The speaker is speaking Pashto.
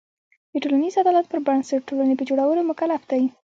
د ټولنیز عدالت پر بنسټ ټولنې په جوړولو مکلف دی.